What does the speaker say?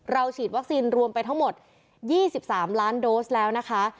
เราฉีดวัคซีนรวมไปทั้งหมดยี่สิบสามล้านโดซแล้วนะคะ